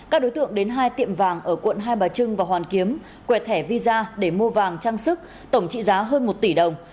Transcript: các đối tượng đến hai tiệm vàng ở quận hai bà trưng và hoàn kiếm quẹt thẻ visa để mua vàng trang sức tổng trị giá hơn một tỷ đồng